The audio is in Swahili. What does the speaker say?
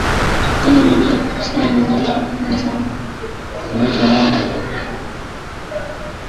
Jana nilenda kanisani Niliamka mapema sana Unaitwa nani?